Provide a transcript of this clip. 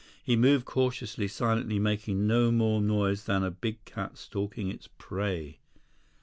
He moved cautiously, silently, making no more noise than a big cat stalking its prey.